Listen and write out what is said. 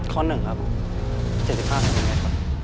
ข้อ๑ครับ๗๕เซนติเมตรครับ